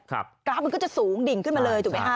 กราฟมันก็จะสูงดิ่งขึ้นมาเลยถูกไหมฮะ